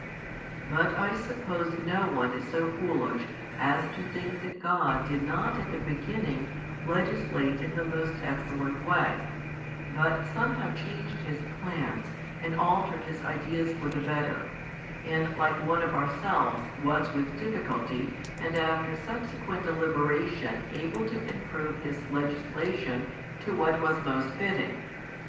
But I suppose no one is so foolish as to think that God did not at the beginning legislate in the most excellent way, but somehow changed His plans and altered His ideas for the better, and like one of ourselves was with difficulty and after subsequent deliberation able to improve His legislation to what was most fitting.